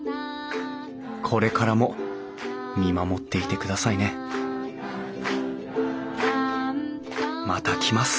これからも見守っていてくださいねまた来ます